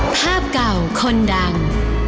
ภาพเก่าคนดัง